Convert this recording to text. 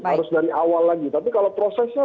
harus dari awal lagi tapi kalau prosesnya